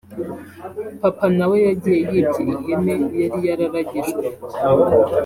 Papa nawe yagiye yibye ihene yari yararagijwe